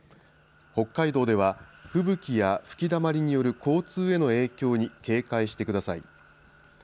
北海道では吹雪や吹きだまりによる交通への影響に警戒してください。